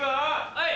はい！